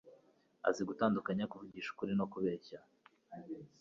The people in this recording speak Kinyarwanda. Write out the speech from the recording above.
azi gutandukanya kuvugisha ukuri no kubeshya